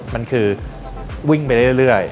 มันคือวิ่งไปเรื่อย